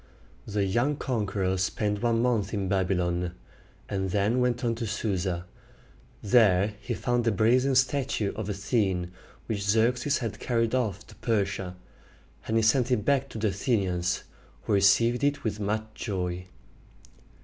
The young conqueror spent one month in Babylon, and then went on to Su´sa. There he found the brazen statue of Athene which Xerxes had carried off to Persia; and he sent it back to the Athenians, who received it with much joy.